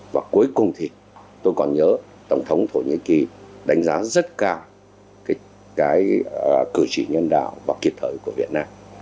và cuối cùng thì tôi còn nhớ tổng thống thổ nhĩ kỳ đánh giá rất cao cái cử chỉ nhân đạo và kịp thời của việt nam